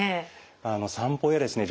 散歩やですね